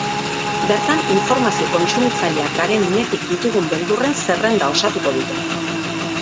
Bertan, informazio kontsumitzaileak garen unetik ditugun beldurren zerrenda osatuko dute.